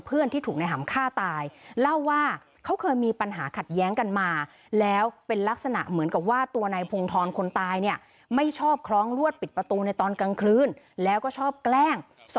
ปิดประตูในตอนกลางคืนแล้วก็ชอบแกล้ง